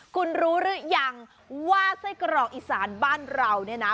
คุณรู้หรือยังว่าไส้กรอกอีสานบ้านเราเนี่ยนะ